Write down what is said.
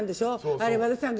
あれ和田さん